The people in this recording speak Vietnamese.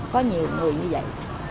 có nhiều người như vậy